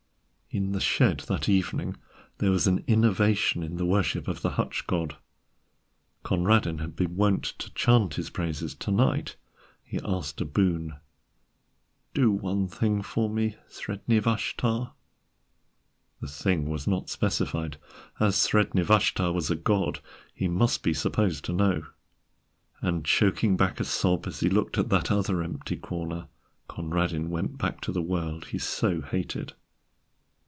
In the shed that evening there was an innovation in the worship of the hutch god. Conradin had been wont to chant his praises, to night he asked a boon. "Do one thing for me, Sredni Vashtar." The thing was not specified. As Sredni Vashtar was a god he must be supposed to know. And choking back a sob as he looked at that other empty corner, Conradin went back to the world he so hated.